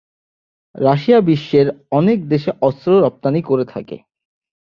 Russia বিশ্বের অনেক দেশে অস্ত্র রপ্তানি করে থাকে।